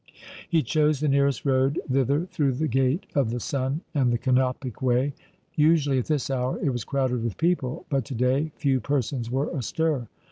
He chose the nearest road thither through the Gate of the Sun and the Kanopic Way. Usually at this hour it was crowded with people, but to day few persons were astir.